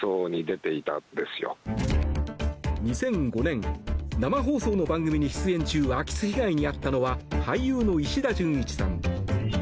２００５年生放送の番組に出演中空き巣被害に遭ったのは俳優の石田純一さん。